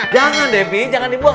jangan debbie jangan dibuang